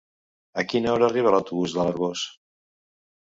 A quina hora arriba l'autobús de l'Arboç?